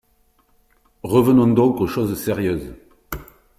Revenons donc aux choses sérieuses.